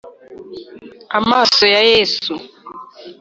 Amaso ya Yesu